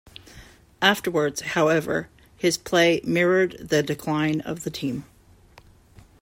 Afterwards, however, his play mirrored the decline of the team.